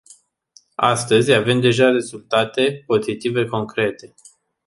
Astăzi, avem deja rezultate pozitive concrete.